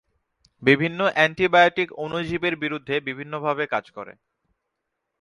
বিভিন্ন অ্যান্টিবায়োটিক অণুজীবের বিরুদ্ধে বিভিন্ন ভাবে কাজ করে।